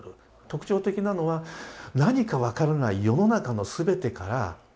特徴的なのは何か分からない世の中の全てから自分が排斥されてる。